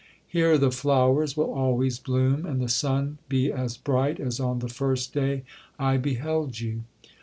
—Here the flowers will always bloom, and the sun be as bright as on the first day I beheld you.